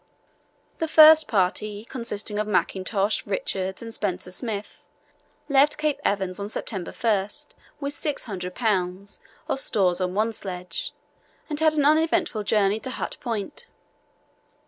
The first party, consisting of Mackintosh, Richards, and Spencer Smith, left Cape Evans on September 1 with 600 lbs. of stores on one sledge, and had an uneventful journey to Hut Point.